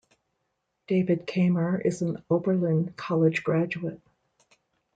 David Kaemmer is an Oberlin College graduate.